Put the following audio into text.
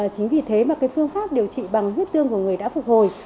chính vì thế mà cái phương pháp điều trị bằng huyết tương của người đã phục hồi